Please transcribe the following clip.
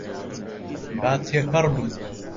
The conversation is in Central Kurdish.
با تێپەڕبم.